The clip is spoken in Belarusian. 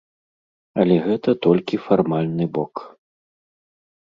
Але гэта толькі фармальны бок.